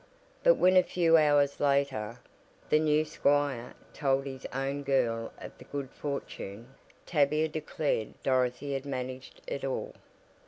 But when a few hours later, the new squire told his own girl of the good fortune, Tavia declared Dorothy had managed it all.